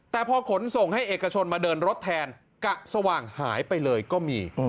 แต่พอขนส่งให้เอกชนมาเดินรถแทนกะสว่างหายไปเลยก็มี